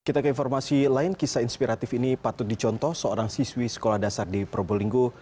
kita ke informasi lain kisah inspiratif ini patut dicontoh seorang siswi sekolah dasar di probolinggo